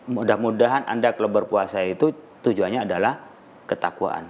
mudah mudahan anda kalau berpuasa itu tujuannya adalah ketakwaan